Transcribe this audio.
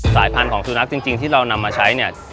สายพันธุ์ของซูนักที่เรานำมาใช้